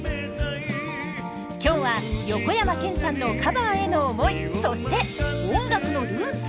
今日は横山剣さんのカバーへの思いそして音楽のルーツ！？